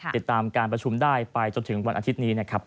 ติดตามการประชุมได้ไปจนถึงวันอาทิตย์นี้นะครับ